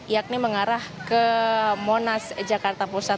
yakni mengarah ke monas jakarta pusat